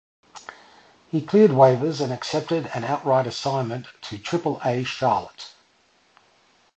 He cleared waivers and accepted an outright assignment to Triple-A Charlotte.